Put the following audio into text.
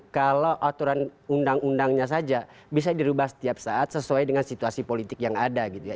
kalau aturan undang undangnya saja bisa dirubah setiap saat sesuai dengan situasi politik yang ada gitu ya